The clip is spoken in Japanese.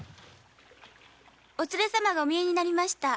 お連れ様がおみえになりました。